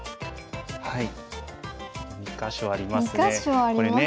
２か所ありますね。